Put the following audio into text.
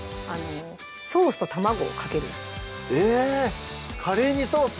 ソースと卵をかけるやつえっカレーにソース？